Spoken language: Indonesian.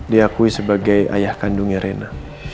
diakui sebagai ayah kandungnya rena